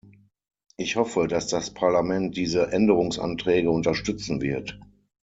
Ich hoffe, dass das Parlament diese Änderungsanträge unterstützen wird.